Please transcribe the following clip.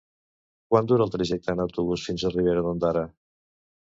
Quant dura el trajecte en autobús fins a Ribera d'Ondara?